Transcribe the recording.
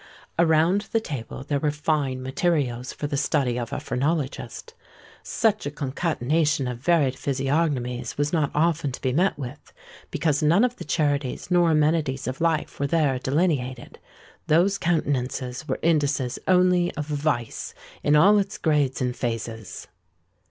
Around the table there were fine materials for the study of a phrenologist. Such a concatenation of varied physiognomies was not often to be met with; because none of the charities nor amenities of life were there delineated;—those countenances were indices only of vice in all its grades and phases.